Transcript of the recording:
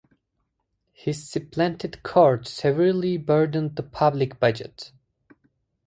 His splendid court severely burdened the public budget.